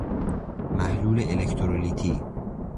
محلول الکترولیتی